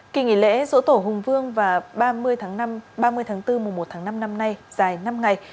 kỳ nghỉ lễ dỗ tổ hùng vương và ba mươi tháng bốn mùa một tháng năm năm nay dài năm ngày